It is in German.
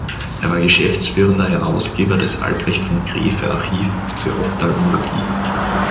Er war geschäftsführender Herausgeber des "Albrecht von Graefe Archiv für Ophthalmologie".